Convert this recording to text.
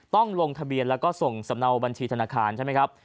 ต้องลงทะเบียนแล้วก็ส่งสำเนาบัญชีธนาคารใช่ไหมครับ